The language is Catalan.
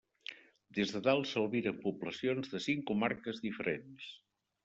Des de dalt s'albiren poblacions de cinc comarques diferents.